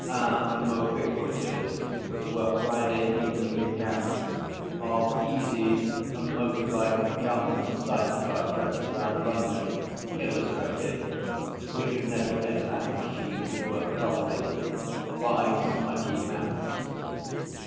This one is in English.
Our 'Mobiquities' were Friday evening accounts of easy motor bike cum side car trips round London, illustrated (we could never get that machine to work properly) by smudgy maps.